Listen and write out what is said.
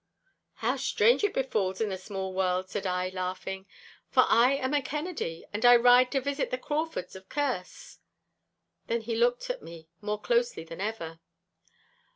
'How strange it befalls in a small world,' said I, laughing, 'for I am a Kennedy, and I ride to visit the Craufords of Kerse.' Then he looked at me more closely than ever.